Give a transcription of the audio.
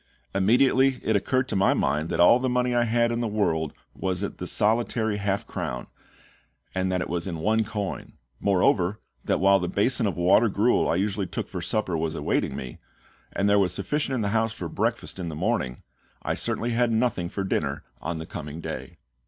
Immediately it occurred to my mind that all the money I had in the world was the solitary half crown, and that it was in one coin; moreover, that while the basin of water gruel I usually took for supper was awaiting me, and there was sufficient in the house for breakfast in the morning, I certainly had nothing for dinner on the coming day.